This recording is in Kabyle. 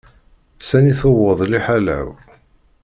Sani tuweḍ liḥala-w.